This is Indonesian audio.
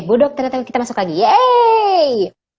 budokter kita masuk lagi yeay